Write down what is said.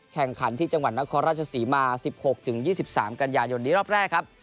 แข่งขันที่จังหวัดนครราชศรีมา๑๖๒๓กันยายนนี้รอบแรกครับ